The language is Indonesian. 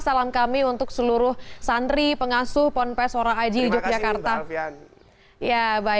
salam kami untuk seluruh santri pengasuh ponpes orang aji yogyakarta